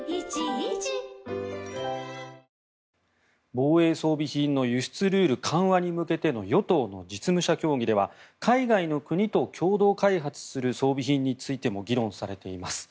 防衛装備品の輸出ルール緩和に向けての与党の実務者協議では海外の国と共同開発する装備品についても議論されています。